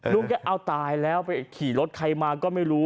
ลุงแกเอาตายแล้วไปขี่รถใครมาก็ไม่รู้